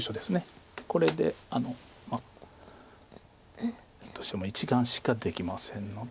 これでどうしても１眼しかできませんので。